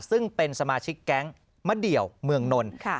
ซึ่งเป็นสมาชิกแก๊งมะเดี่ยวเมืองนนท์